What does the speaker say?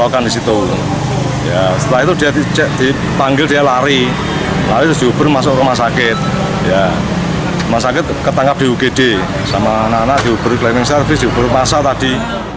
ketangkap di ugd sama anak anak di ubro climbing service ubro masa tadi